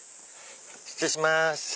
失礼します